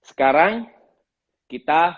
saya mendatang renee nelayan keluar